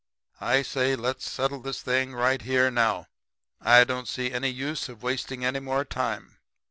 'I say let's settle this thing right here now. I don't see any use of wasting any more time.'